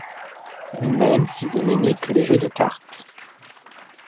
Ou même si vous n'aimez que les jeux de cartes.